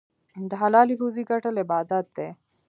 د حلالې روزۍ ګټل عبادت دی.